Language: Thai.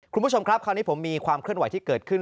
คุณผู้ชมครับคราวนี้ผมมีความเคลื่อนไหวที่เกิดขึ้น